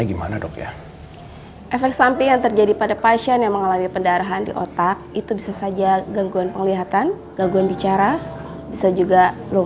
ibu katering yang kuat ya